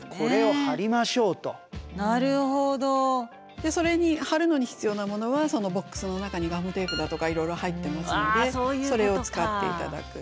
でそれに貼るのに必要なものはそのボックスの中にガムテープだとかいろいろ入ってますのでそれを使って頂く。